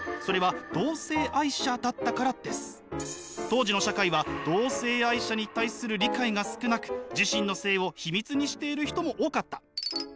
当時の社会は同性愛者に対する理解が少なく自身の性を秘密にしている人も多かった。